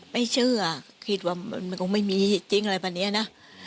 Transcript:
ไม่เชื่อคิดว่ามันคงไม่มีจริงอะไรแบบนี้นะ